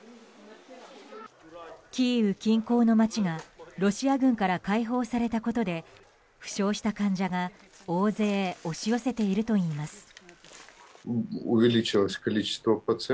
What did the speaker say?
キーウ近郊の街がロシア軍から解放されたことで負傷した患者が大勢押し寄せているといいます。